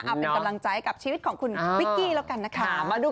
เอาเป็นกำลังใจกับชีวิตของคุณวิกกี้แล้วกันนะคะ